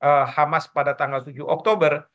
e hamas pada tanggal tujuh oktober